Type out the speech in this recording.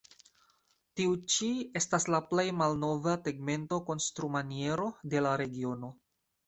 Tiu ĉi estas la plej malnova tegmento-konstrumaniero de la regiono.